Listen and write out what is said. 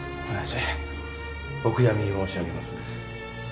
お悔やみ申し上げます。